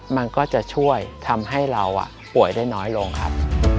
มันก็จะช่วยทำให้เราป่วยได้น้อยลงครับ